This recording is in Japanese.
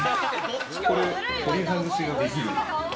これ、取り外しができる。